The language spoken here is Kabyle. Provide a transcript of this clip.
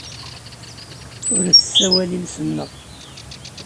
Ur tessawal iles-nneɣ.